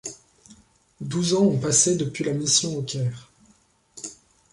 Douze ans ont passé depuis la mission au Caire.